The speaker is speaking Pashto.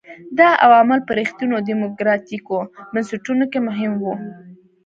دا عوامل په رښتینو ډیموکراټیکو بنسټونو کې مهم وو.